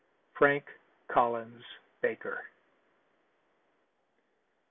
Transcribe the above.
Frank Collins Baker.